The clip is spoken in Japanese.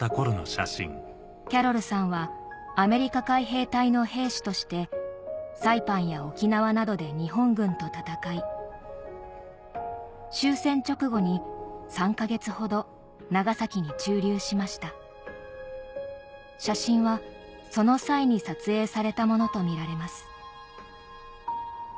キャロルさんはアメリカ海兵隊の兵士としてサイパンや沖縄などで日本軍と戦い終戦直後に３か月ほど長崎に駐留しました写真はその際に撮影されたものとみられます